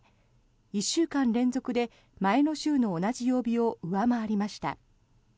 １週間連続で前の週の同じ曜日を上回りました。